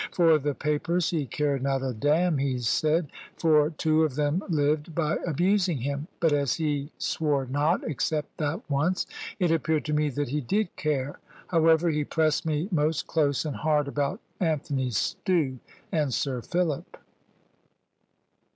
For the papers he cared not a damn, he said; for two of them lived by abusing him; but as he swore not (except that once), it appeared to me that he did care. However, he pressed me most close and hard about Anthony Stew and Sir Philip.